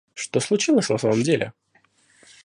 Что случилось на самом деле?